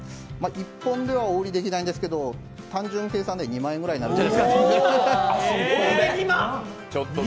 １本ではお売りできないんですけど、単純計算で２万円ぐらいになるんじゃないですか。